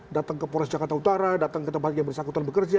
datang ke polres jakarta utara datang ke tempat yang bersangkutan bekerja